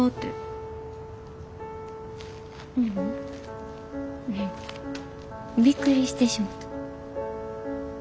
ううんびっくりしてしもた。